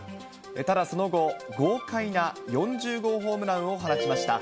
ただ、その後、豪快な４０号ホームランを放ちました。